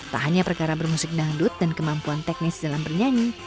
tak hanya perkara bermusik dangdut dan kemampuan teknis dalam bernyanyi